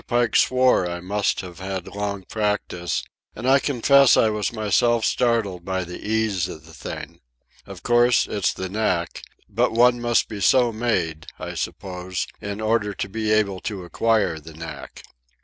Pike swore I must have had long practice; and I confess I was myself startled by the ease of the thing. Of course, it's the knack; but one must be so made, I suppose, in order to be able to acquire the knack.